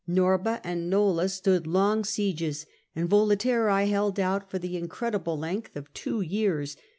Norba and ISTola stood long sieges, and Yolaterrae held out for the incredible length of two years.